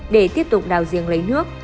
để tiếp tục đào giếng lấy nước